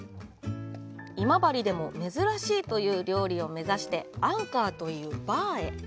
今治でも珍しいという料理を目指して、「アンカー」というバーへ。